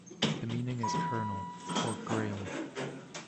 The meaning is "kernel" or "grain".